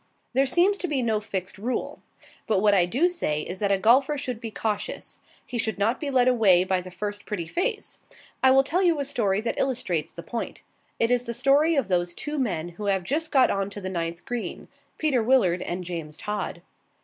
There seems to be no fixed rule. But what I do say is that a golfer should be cautious. He should not be led away by the first pretty face. I will tell you a story that illustrates the point. It is the story of those two men who have just got on to the ninth green Peter Willard and James Todd.